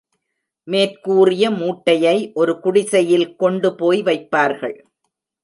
மேற்கூறிய மூட்டையை ஒரு குடிசையில் கொண்டுபோய் வைப்பார்கள்.